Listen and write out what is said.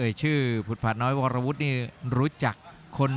รับทราบบรรดาศักดิ์